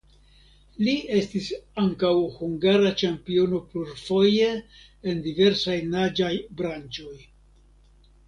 Li estis ankaŭ hungara ĉampiono plurfoje en diversaj naĝaj branĉoj.